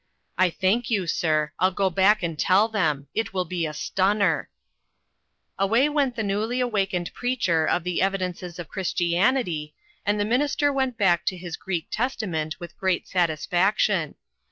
" I thank you, sir ; I'll go back and tell him ; it will be a stunner !" Away went the newly awakened preacher of the Evidences of Christianity, and the minister went back to his Greek Testament with great satisfaction.